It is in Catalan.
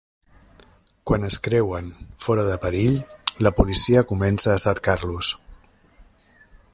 Quan es creuen fora de perill, la policia comença a cercar-los.